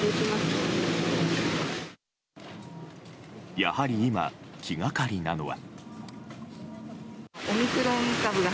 やはり今、気がかりなのは。